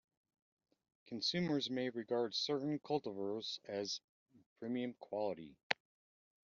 Consumers may regard certain cultivars as "premium" quality.